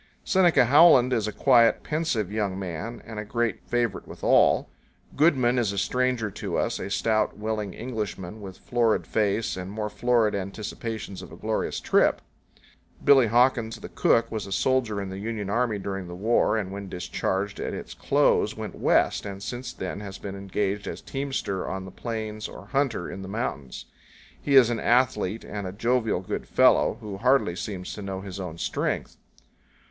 Seneca Howland is a quiet, pensive young man, and a great favorite with all. Goodman is a stranger to us a stout, willing Englishman, with florid face and more florid anticipations of a glorious trip. powell canyons 81.jpg RIDGES ON BITTER CREEK. Billy Hawkins, the cook, was a soldier in the Union Army during the war, and when discharged at its close went West, and since then has been engaged as teamster on the plains or hunter in the mountains. He is an athlete and a jovial good fellow, who hardly seems to know his own strength.